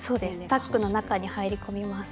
タックの中に入り込みます。